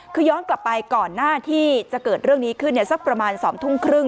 คือย้อนกลับไปก่อนหน้าที่จะเกิดเรื่องนี้ขึ้นสักประมาณ๒ทุ่มครึ่ง